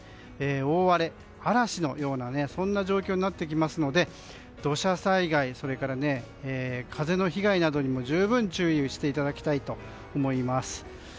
大荒れ、嵐のような状況になってきますので土砂災害それから風の被害などにも十分注意していただきたいと思います。